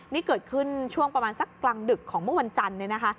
นี่เกิดขึ้นช่วงประมาณสักกลั่งดึกของเมื่อวันจันทร์